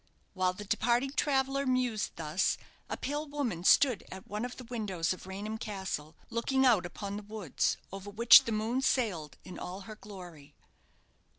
While the departing traveller mused thus, a pale woman stood at one of the windows of Raynham Castle, looking out upon the woods, over which the moon sailed in all her glory.